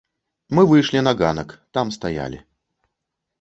Мы выйшлі на ганак, там стаялі.